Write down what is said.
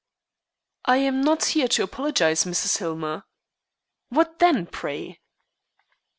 "I am not here to apologize, Mrs. Hillmer." "What then, pray?"